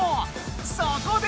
そこで！